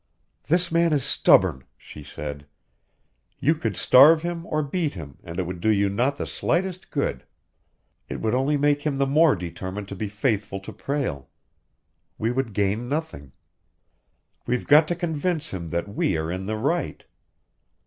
"This man is stubborn," she said. "You could starve him or beat him, and it would do you not the slightest good. It would only make him the more determined to be faithful to Prale. We would gain nothing. We've got to convince him that we are in the right."